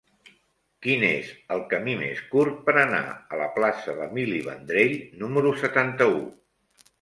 Quin és el camí més curt per anar a la plaça d'Emili Vendrell número setanta-u?